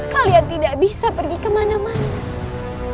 kalian tidak bisa pergi kemana mana